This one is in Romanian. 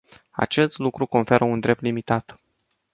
Acest lucru conferă un drept limitat.